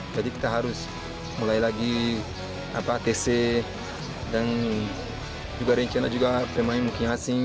jadi kita harus mulai lagi tc dan rencana juga pemain mungkin asing